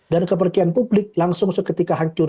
dan kepercayaan publik langsung seketika hancur